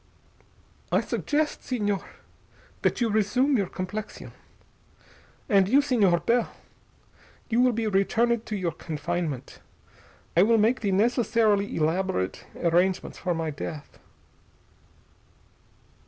"I suggest, Señor, that you resume your complexion. And you, Señor Bell, you will be returned to your confinement. I will make the necessarily elaborate arrangements for my death."